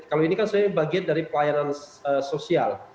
kalau ini kan sebenarnya bagian dari pelayanan sosial